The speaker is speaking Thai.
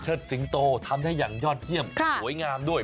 สิงโตทำได้อย่างยอดเยี่ยมสวยงามด้วย